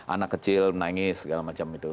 anak kecil nangis segala macam itu